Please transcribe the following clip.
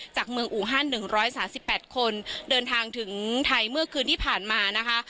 จากเมืองอูฮั่นหนึ่งร้อยสามสิบแปดคนเดินทางถึงไทยเมื่อคืนที่ผ่านมานะคะ